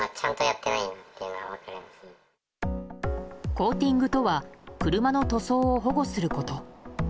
コーティングとは車の塗装を保護すること。